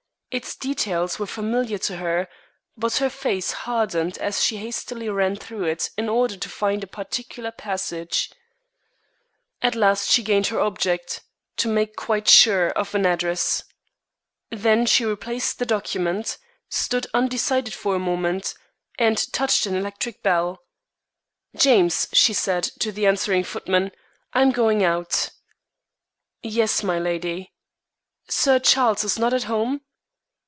Its details were familiar to her, but her face hardened as she hastily ran through it in order to find a particular passage. At last she gained her object to make quite sure of an address. Then she replaced the document, stood undecided for a moment, and touched an electric bell. "James," she said, to the answering footman, "I am going out." "Yes, milady." "Sir Charles is not at home?"